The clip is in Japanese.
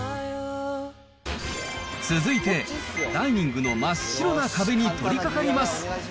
続いて、ダイニングの真っ白な壁に取りかかります。